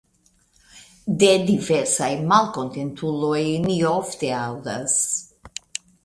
De diversaj malkontentuloj ni ofte aŭdas.